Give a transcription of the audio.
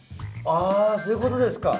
あそういうことですか。